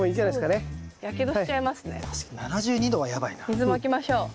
水まきましょう。